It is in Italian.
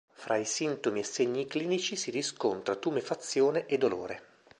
Fra i sintomi e segni clinici si riscontra tumefazione e dolore.